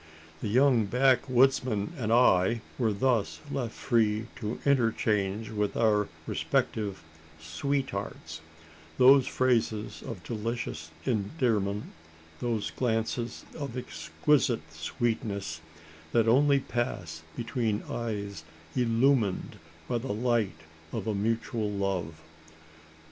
The young backwoodsman and I were thus left free to interchange with our respective "sweethearts" those phrases of delirious endearment those glances of exquisite sweetness, that only pass between eyes illumined by the light of a mutual love.